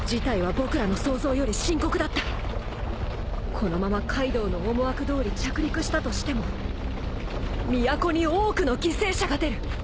このままカイドウの思惑どおり着陸したとしても都に多くの犠牲者が出る。